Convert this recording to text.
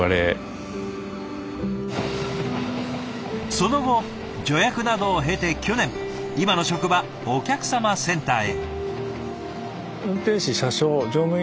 その後助役などを経て去年今の職場お客さまセンターへ。